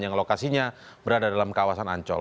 yang lokasinya berada dalam kawasan ancol